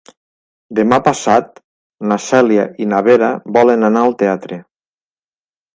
Demà passat na Cèlia i na Vera volen anar al teatre.